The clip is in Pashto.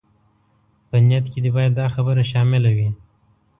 په نيت کې دې بايد دا خبره شامله وي.